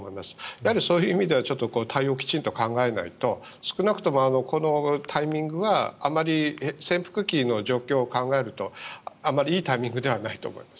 やはり、そういう意味では対応をきちんと考えないと少なくともこのタイミングはあまり潜伏期の状況を考えるとあまりいいタイミングではないと思います。